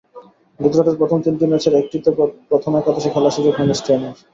গুজরাটের প্রথম তিনটি ম্যাচের একটিতেও প্রথম একাদশে খেলার সুযোগ হয়নি স্টেইনের।